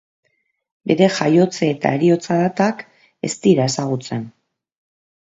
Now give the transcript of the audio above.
Bere jaiotze eta heriotza datak ez dira ezagutzen.